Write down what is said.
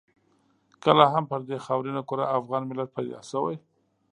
کله هم پر دې خاورینه کره افغان ملت پیدا شوی.